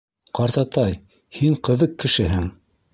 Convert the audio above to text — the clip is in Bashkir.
— Ҡартатай, һин ҡыҙыҡ кешеһең.